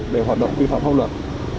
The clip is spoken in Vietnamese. để hoạt động vi phạm hốc lực